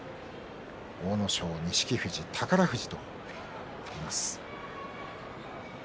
阿武咲、錦富士、宝富士といます。